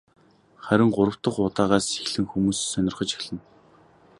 Харин гурав дахь удаагаас эхлэн хүмүүс сонирхож эхэлнэ.